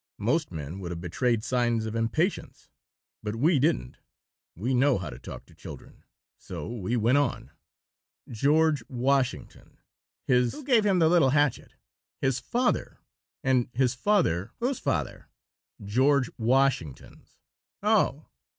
Most men would have betrayed signs of impatience, but we didn't. We know how to talk to children, so we went on. "George Washington. His " "Who gave him the little hatchet?" "His father. And his father " "Whose father?" "George Washington's." "Oh!"